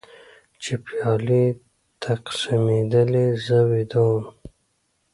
چې پیالې تقسیمېدلې زه ویده وم.